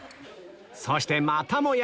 そしてまたもや